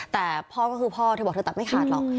แต่พ่อก็คือพ่อเธอบอกเธอตัดไม่ขาดหรอก